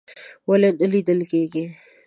ولې نه لیدل کیږي؟